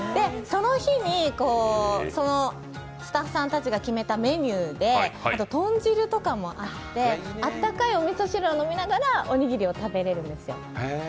その日にスタッフさんたちが決めたメニューで、豚汁とかもあって、あったかいおみそ汁を飲みながらおにぎりを食べれるんですよ。